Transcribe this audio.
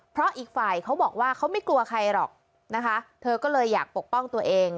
เพราะอีกฝ่ายเขาบอกว่าเขาไม่กลัวใครหรอกนะคะเธอก็เลยอยากปกป้องตัวเอง